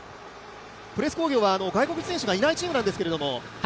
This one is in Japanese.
プレス工業は外国人選手がいないチームなんですけれども。